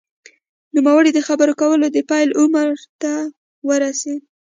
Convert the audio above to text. نوموړی د خبرو کولو د پیل عمر ته ورسېد